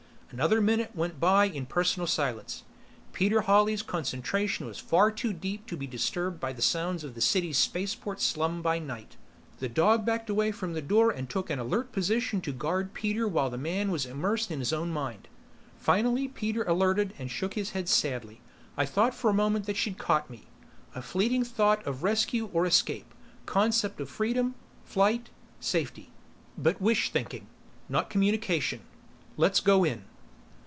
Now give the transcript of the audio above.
Another minute went by in personal silence; Peter Hawley's concentration far too deep to be disturbed by the sounds of the city's spaceport slum by night. The dog backed away from the door and took an alert position to guard Peter while the man was immersed in his own mind. Finally Peter alerted and shook his head sadly. "I thought for a moment that she'd caught me. A fleeting thought of rescue or escape, concept of freedom, flight, safety. But wish thinking. Not communication. Let's go in."